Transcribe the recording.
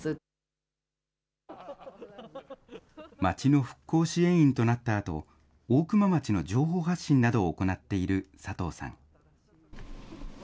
町の復興支援員となったあと、大熊町の情報発信などを行っている佐藤さん。